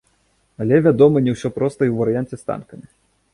Але, вядома, не ўсё проста і ў варыянце з танкамі.